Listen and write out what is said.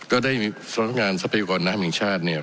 ก็ได้มีสำนักงานทรัพยากรน้ำแห่งชาติเนี่ย